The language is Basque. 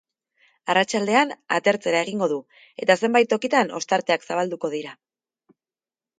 Arratsaldean, atertzera egingo du, eta zenbait tokitan ostarteak zabalduko dira.